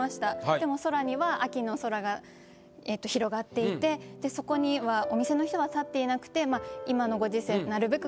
でも空には秋の空が広がっていてそこにはお店の人は立っていなくてまあ今のご時世なるべく